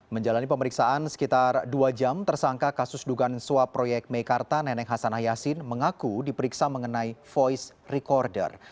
menjalani pemeriksaan sekitar dua jam tersangka kasus dugaan suap proyek meikarta nenek hasan hayasin mengaku diperiksa mengenai voice recorder